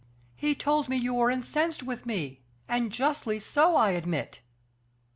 "He told me you were incensed with me and justly so, I admit."